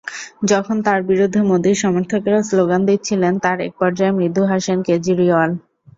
যখন তাঁর বিরুদ্ধে মোদির সমর্থকেরা স্লোগান দিচ্ছিলেন, তার একপর্যায়ে মৃদু হাসেন কেজরিওয়াল।